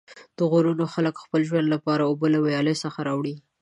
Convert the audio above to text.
د غرونو خلک د خپل ژوند لپاره اوبه له ویالو څخه راوړي.